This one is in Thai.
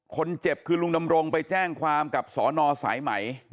คนเจ็บคือลุงดำรงไปแจ้งความกับสนสายไหม